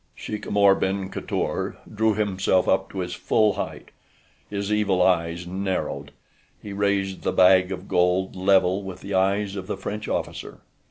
Sheik Amor ben Khatour drew himself up to his full height. His evil eyes narrowed. He raised the bag of gold level with the eyes of the French officer.